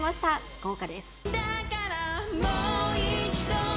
豪華です。